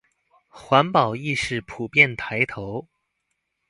環保意識普遍抬頭